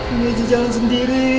ini jalan sendiri